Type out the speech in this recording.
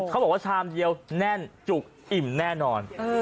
เขาบอกว่าชามเดียวแน่นจุกอิ่มแน่นอน